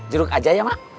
juruk aja ya mak